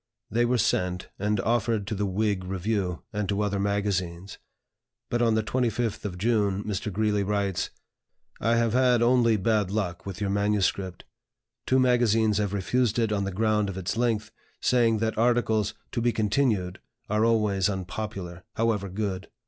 They were sent, and offered to the "Whig Review," and to other magazines; but on the 25th of June, Mr. Greeley writes: "I have had only bad luck with your manuscript. Two magazines have refused it on the ground of its length, saying that articles 'To be continued' are always unpopular, however good.